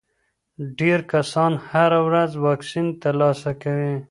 ډېر کسان هره ورځ واکسین ترلاسه کوي.